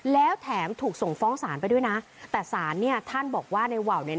แล้วแถมถูกส่งฟ้องศาลไปด้วยนะแต่สารเนี่ยท่านบอกว่าในว่าวเนี่ย